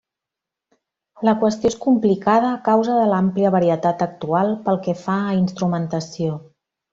La qüestió és complicada a causa de l'àmplia varietat actual pel que fa a instrumentació.